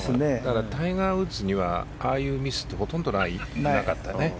タイガー・ウッズにはああいうミスってほとんどなかったよね。